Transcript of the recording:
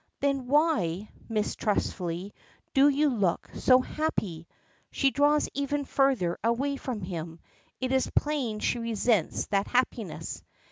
"Then why," mistrustfully, "do you look so happy?" She draws even further away from him. It is plain she resents that happiness.